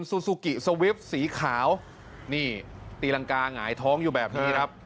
ซูซูกิสวิปสีขาวนี่ตีรังกาหงายท้องอยู่แบบนี้ครับ